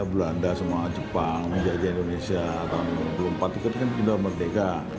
belanda sama jepang menjajah indonesia tahun seribu sembilan ratus enam puluh empat itu kan bidang merdeka